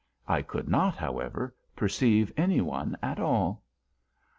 I could not, however, perceive any one at all.